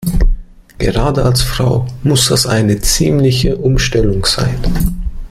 Gerade als Frau muss das eine ziemliche Umstellung sein.